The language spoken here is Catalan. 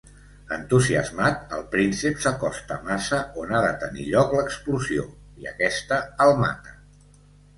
Entusiasmat, el príncep s'acosta massa on ha de tenir lloc l'explosió i aquesta el mata.